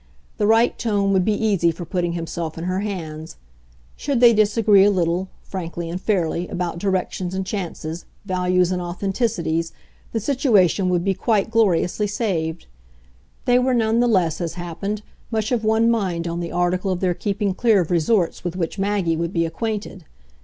The right tone would be easy for putting himself in her hands. Should they disagree a little frankly and fairly about directions and chances, values and authenticities, the situation would be quite gloriously saved. They were none the less, as happened, much of one mind on the article of their keeping clear of resorts with which Maggie would be acquainted.